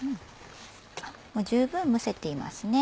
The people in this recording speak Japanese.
もう十分蒸せていますね。